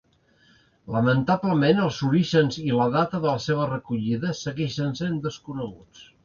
Lamentablement els orígens i la data de la seva recollida segueixen sent desconeguts.